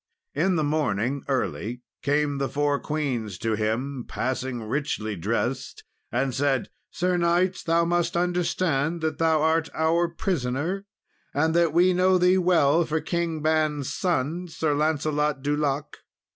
In the morning early came the four queens to him, passing richly dressed; and said, "Sir knight, thou must understand that thou art our prisoner, and that we know thee well for King Ban's son, Sir Lancelot du Lake.